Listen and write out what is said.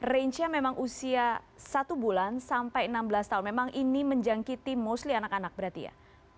range nya memang usia satu bulan sampai enam belas tahun memang ini menjangkiti mostly anak anak berarti ya